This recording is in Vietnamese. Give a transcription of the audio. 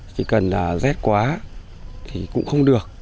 chỉ cần là rét quá thì cũng không được